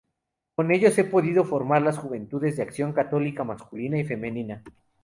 Con ellos he podido formar las juventudes de acción católica, masculina y femenina.